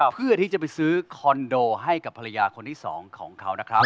เพื่อที่จะไปซื้อคอนโดให้กับภรรยาคนที่๒ของเขานะครับ